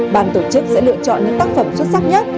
bàn tổ chức sẽ lựa chọn những tác phẩm xuất sắc nhất